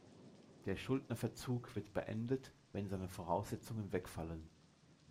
Der Schuldnerverzug wird beendet, wenn seine Voraussetzungen wegfallen.